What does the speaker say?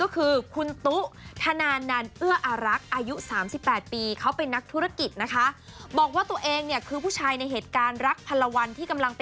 กระทั่งเวลา๑๖น